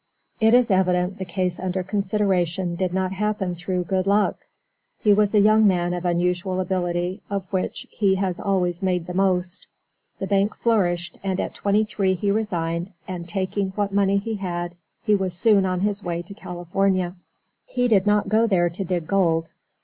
It is evident the case under consideration did not happen through 'good luck.' He was a young man of unusual ability, of which he has always made the most. The bank flourished and at twenty three he resigned and, taking what money he had, he was soon on his way to California. He did not go there to dig gold.